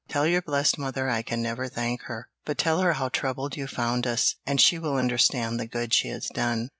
"Tell your blessed mother I can never thank her, but tell her how troubled you found us, and she will understand the good she has done."